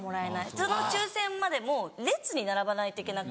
その抽選までも列に並ばないといけない。